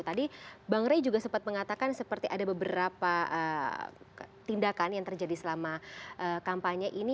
tadi bang rey juga sempat mengatakan seperti ada beberapa tindakan yang terjadi selama kampanye ini